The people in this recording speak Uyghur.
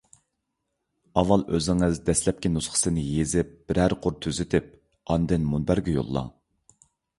ئاۋۋال ئۆزىڭىز دەسلەپكى نۇسخىسىنى يېزىپ بىرەر قۇر تۈزىتىپ، ئاندىن مۇنبەرگە يوللاڭ.